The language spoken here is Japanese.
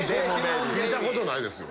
聞いたことないですよ。